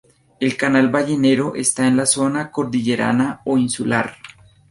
El canal Ballenero está en la zona cordillerana o insular.